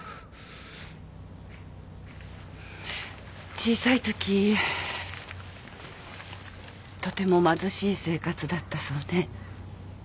小さいときとても貧しい生活だったそうね。